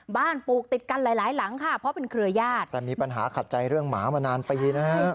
ปลูกติดกันหลายหลายหลังค่ะเพราะเป็นเครือญาติแต่มีปัญหาขัดใจเรื่องหมามานานปีนะฮะ